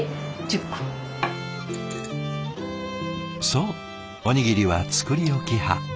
そうおにぎりは作り置き派。